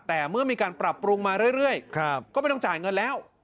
แต่เมื่อมีการปรับปรุงมาเรื่อยก็ไม่ต้องจ่ายเงินแล้ว